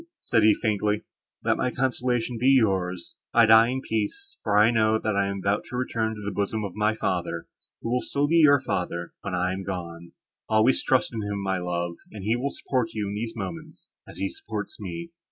said he, faintly, "let my consolations be yours. I die in peace; for I know, that I am about to return to the bosom of my Father, who will still be your Father, when I am gone. Always trust in him, my love, and he will support you in these moments, as he supports me."